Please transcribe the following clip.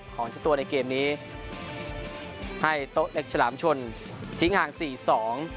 ของเจ้าตัวในเกมนี้ให้โต๊ะเล็กฉลามชนทิ้งห่างสี่สอง